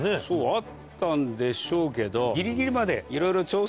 あったんでしょうけど。